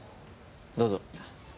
どうぞ。